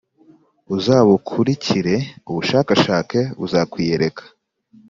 Uzabukurikire ubushakashake, buzakwiyereka,